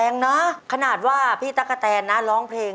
เออเหมือนไม่มีฟิลลิ่งฟิลลิ่ง